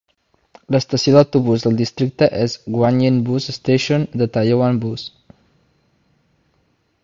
L"estació d"autobús del districte és Guanyin Bus Station de Taoyuan Bus.